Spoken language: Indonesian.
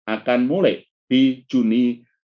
akan mulai di juni